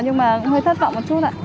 nhưng mà hơi thất vọng một chút ạ